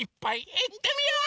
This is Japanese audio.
いってみよう！